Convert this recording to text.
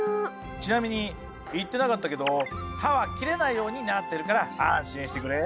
ちなみに言ってなかったけど刃は切れないようになってるから安心してくれ。